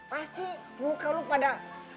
pasti muka lo pada